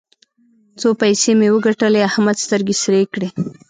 څو پيسې مې وګټلې؛ احمد سترګې سرې کړې.